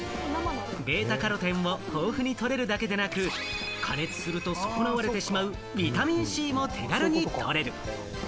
ベータカロテンを豊富に取れるだけでなく、加熱すると損なわれてしまうビタミンＣも手軽にとれる。